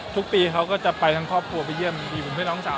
ทุกปีเค้าก็จะไปทางครอบครัวไปเยี่ยมีหุ่นที่น้องสาว